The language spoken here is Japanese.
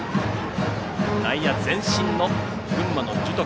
内野、前進の群馬の樹徳。